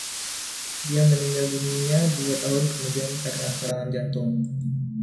Dia meninggal dunia dua tahun kemudian karena serangan jantung.